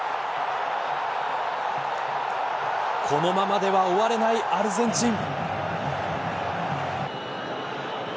このままでは終われないアルゼンチン。